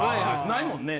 ないもんね。